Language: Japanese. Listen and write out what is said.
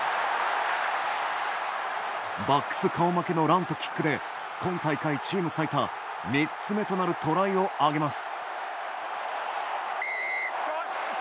バックス顔負けのランとキックで今大会チーム最多３つ目となるトライを挙げます。